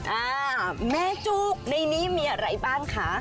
อ่าแม่จุในนี้มีอะไรบ้างคะ